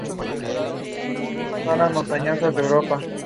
El diseño gráfico es obra del estudio "Del Federico".